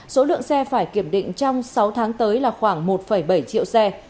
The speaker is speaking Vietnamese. số lượng xe phải kiểm định trong sáu tháng tới là khoảng một bảy triệu xe